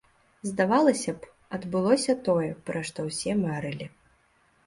Здавалася б, адбылося тое, пра што ўсе марылі.